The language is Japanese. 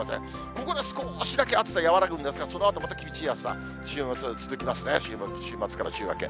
ここで少しだけ暑さ和らぐんですが、そのあとまた厳しい暑さ、週末は続きますね、週末から週明け。